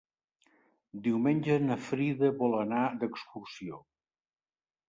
Diumenge na Frida vol anar d'excursió.